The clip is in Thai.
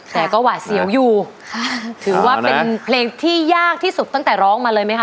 แต่ก็หวาดเสียวอยู่ค่ะถือว่าเป็นเพลงที่ยากที่สุดตั้งแต่ร้องมาเลยไหมคะ